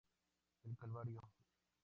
El Calvario.